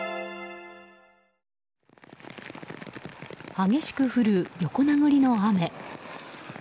激しく降る横殴りの雨。